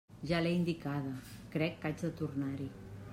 Ja l'he indicada; crec que haig de tornar-hi.